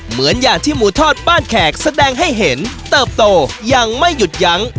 เหมือนอย่างที่หมูทอดบ้านแขกแสดงให้เห็นเติบโตยังไม่หยุดยั้ง